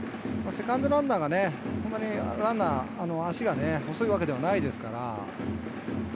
セカンドランナーがランナー、足が遅いわけではないですから。